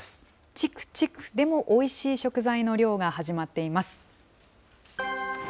ちくちく、でもおいしい食材の漁が始まっています。